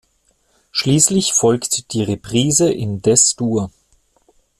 Schließlich folgt die Reprise in Des-Dur.